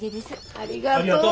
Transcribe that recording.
ありがとう。